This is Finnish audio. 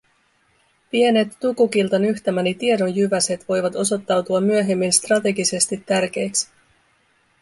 Pienet Tukukilta nyhtämäni tiedonjyväset voivat osoittautua myöhemmin strategisesti tärkeiksi.